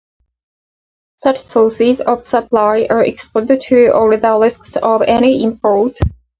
Such sources of supply are exposed to all the risks of any import.